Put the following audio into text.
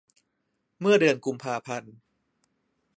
เมื่อเดือนกุมภาพันธ์